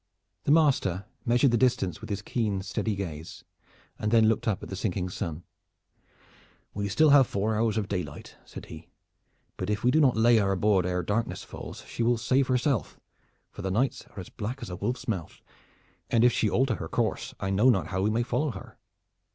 The master measured the distance with his keen steady gaze, and then looked up at the sinking sun. "We have still four hours of daylight," said he; "but if we do not lay her aboard ere darkness falls she will save herself, for the nights are as black as a wolf's mouth, and if she alter her course I know not how we may follow her."